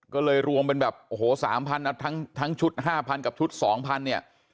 ก็เลยรวมเป็นแบบโอ้โหสามพันนะทั้งชุดห้าพันกับชุดสองพันเนี่ย